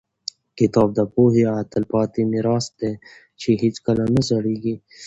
کتاب د پوهې هغه تلپاتې میراث دی چې هېڅکله نه زړېږي.